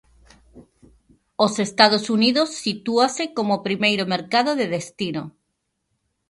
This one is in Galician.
Os Estados Unidos sitúase como primeiro mercado de destino.